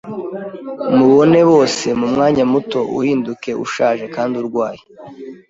mubone bose mumwanya muto uhinduke ushaje kandi urwaye.